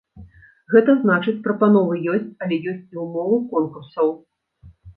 Гэта значыць прапановы ёсць, але ёсць і ўмовы конкурсаў.